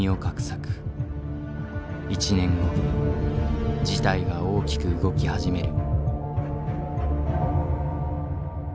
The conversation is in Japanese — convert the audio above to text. １年後事態が大きく動き始める。